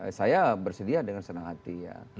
bahwa saya bersedia dengan senang hati